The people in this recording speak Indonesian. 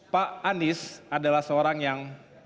pak anies adalah seorang yang